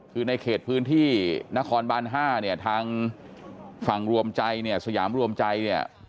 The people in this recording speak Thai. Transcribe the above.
คือในเขตพื้นที่นครบาน๕เนี่ยทางฝั่งรวมใจเนี่ยสยามรวมใจเนี่ย